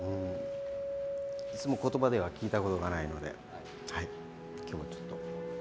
いつも言葉では聞いたことがないので今日はちょっと。